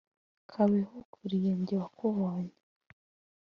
“kabeho ukwiriye njye wakubonye